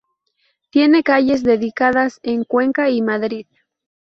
Tiene calles dedicadas en Cuenca y Madrid.